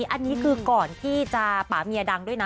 อันนี้คือก่อนที่จะป่าเมียดังด้วยนะ